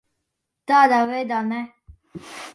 Tādā veidā ne.